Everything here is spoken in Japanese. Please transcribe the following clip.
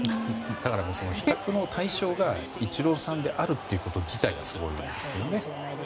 だから、比較の対象がイチローさんであること自体がすごいですよね。